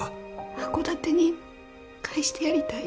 函館に帰してやりたいです。